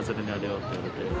って言われて。